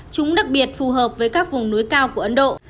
chúng đặc biệt phù hợp với các vùng núi cao của ấn độ